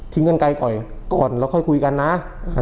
กันไกลก่อนก่อนแล้วค่อยคุยกันนะ